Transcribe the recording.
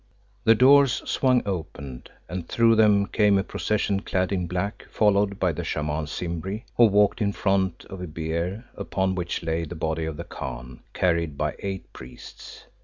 The doors swung open, and through them came a procession clad in black, followed by the Shaman Simbri, who walked in front of a bier, upon which lay the body of the Khan, carried by eight priests.